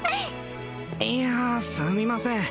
いやすみません